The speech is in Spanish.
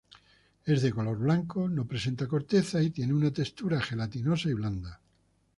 Es de color blanco, no presenta corteza y tiene una textura gelatinosa y blanda.